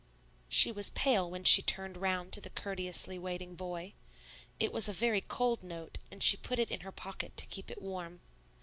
She was pale when she turned round to the courteously waiting boy. It was a very cold note, and she put it in her pocket to keep it warm.